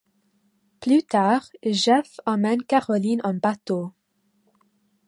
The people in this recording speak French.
Plus tard, Jeff emmène Caroline en bateau.